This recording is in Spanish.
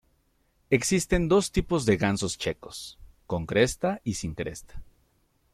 Existen dos tipos de gansos checos: con cresta y sin cresta.